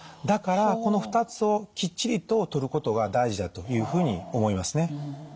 だからこの２つをきっちりととることが大事だというふうに思いますね。